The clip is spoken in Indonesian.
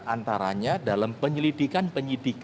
antaranya dalam penyelidikan penyidikan